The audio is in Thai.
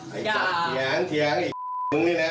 เถียงอีกคนนึงนี่แหละ